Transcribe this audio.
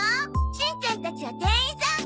しんちゃんたちは店員さん。